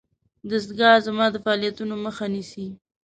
دستګاه زما د فعالیتونو مخه نیسي.